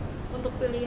enggak harus jadi iya